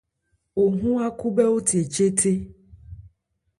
O hɔn ákhúbhɛ́óthe che thé.